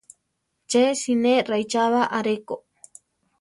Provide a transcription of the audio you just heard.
Ché siné raichába aréko.